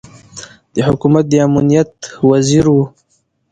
د حکومت د امنیت وزیر ؤ